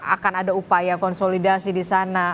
akan ada upaya konsolidasi di sana